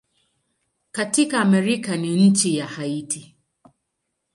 Katika Amerika ni nchi ya Haiti.